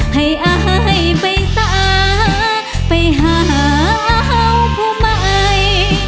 ให้อายไปสาไปหาผู้ใหม่